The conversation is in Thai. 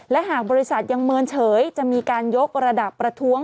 และหากบริษัทยังเมินเฉยจะมีการยกระดับประท้วง